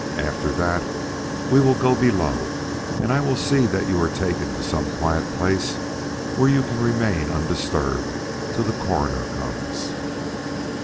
After that we will go below and I will see that you are taken to some quiet place where you can remain undisturbed till the Coroner comes."